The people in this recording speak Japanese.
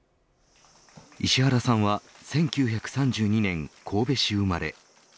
石原さんは、１９３２年神戸市生まれ。